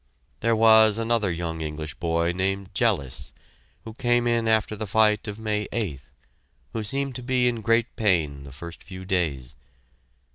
There was another young English boy named Jellis, who came in after the fight of May 8th, who seemed to be in great pain the first few days.